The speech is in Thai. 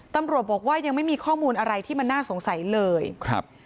ตำรวจบอกว่ายังไม่มีข้อมูลอะไรที่มันน่าสงสัยเลยครับ